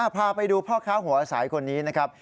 พาไปดูพ่อค้าหัวอาศัยคนนี้นะครับ